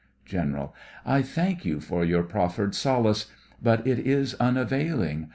GENERAL: I thank you for your proffered solace, but it is unavailing.